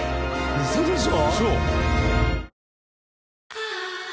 ウソでしょ？